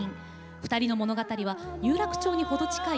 ２人の物語は有楽町に程近い